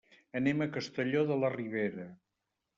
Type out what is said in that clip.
Anem a Castelló de la Ribera.